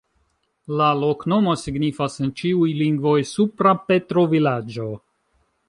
La loknomo signifas en ĉiuj lingvoj: supra-Petro-vilaĝo.